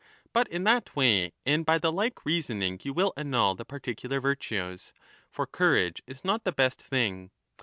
But in that way and by the like reasoning )u will annul the particular virtues. For courage is not le best thing.